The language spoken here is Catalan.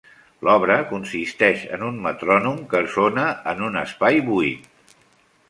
L'obra consisteix en un metrònom que sona en un espai buit.